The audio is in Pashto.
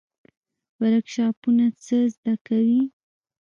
ورکشاپونه څه زده کوي؟